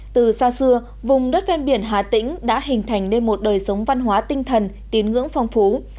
từ xa xưa vùng đất ven biển hà tĩnh đã hình thành nên một đời sống văn hóa tinh thần tín ngưỡng phong phú